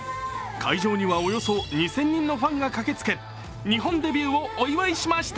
会場にはおよそ２０００人のファンが駆けつけ日本デビューをお祝いしました。